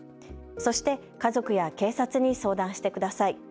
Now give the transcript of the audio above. そして家族や警察に相談してください。